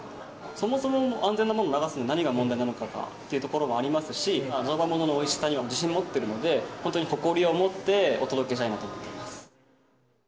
そもそも安全なものを流すのに何が問題なのかなっていうところもありますし、常磐もののおいしさには自信持ってるので、本当に誇りを持ってお届けしたいなと思っています。